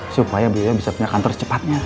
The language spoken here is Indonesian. supaya bu yoyo bisa punya kantor secepatnya